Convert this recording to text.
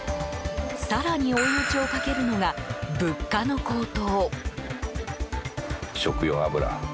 更に追い打ちをかけるのが物価の高騰。